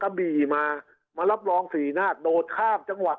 คราวนี้เจ้าหน้าที่ป่าไม้รับรองแนวเนี่ยจะต้องเป็นหนังสือจากอธิบดี